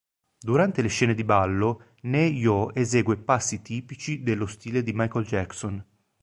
Durante le scene di ballo, Ne-Yo esegue passi tipici dello stile di Michael Jackson.